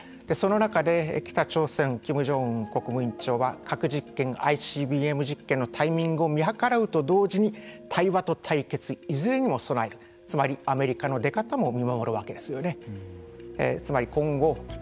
その中で、北朝鮮キム・ジョンウン国務委員長は核実験、ＩＣＢＭ実験のタイミングを見計らうと同時に対話と対決いずれにも備えるつまりアメリカの出方も